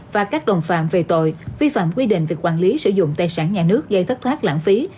và các đồng phạm về tội vi phạm quy định về quản lý sử dụng tài sản nhà nước gây thất thoát lãng phí